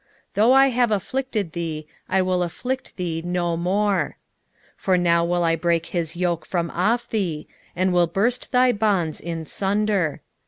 Though I have afflicted thee, I will afflict thee no more. 1:13 For now will I break his yoke from off thee, and will burst thy bonds in sunder.